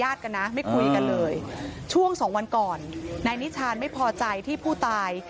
กันนะไม่คุยกันเลยช่วงสองวันก่อนนายนิชานไม่พอใจที่ผู้ตาย